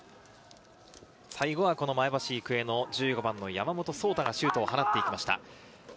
最後はこの前橋育英の１５番の山本颯太がシュートを放っていきました。